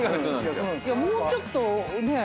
もうちょっとねっ。